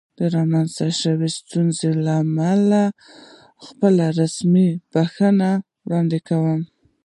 د رامنځته شوې ستونزې له امله خپله رسمي بښنه وړاندې کوم.